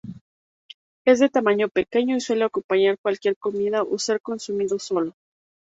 Es de tamaño pequeño y suele acompañar cualquier comida o ser consumido solo.